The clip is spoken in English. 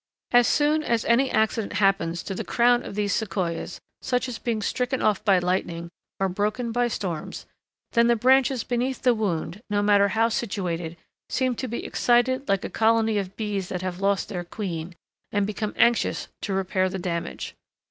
As soon as any accident happens to the crown of these Sequoias, such as being stricken off by lightning or broken by storms, then the branches beneath the wound, no matter how situated, seem to be excited like a colony of bees that have lost their queen, and become anxious to repair the damage.